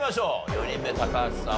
４人目高橋さん